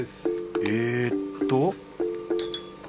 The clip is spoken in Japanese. えっと。